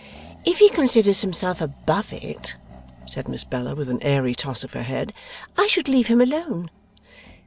'If he considers himself above it,' said Miss Bella, with an airy toss of her head, 'I should leave him alone.